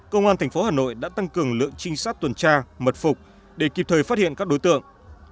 công an tp hà nội đã tăng cường lượng trinh sát tuần tra mật phục để kịp thời phát hiện các đối tượng